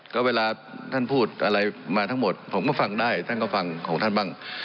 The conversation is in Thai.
ก็เวลาท่านพูดอะไรมาทั้งหมดผมก็ฟังได้ท่านก็ฟังของท่านบ้าง